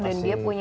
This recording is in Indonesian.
dan dia punya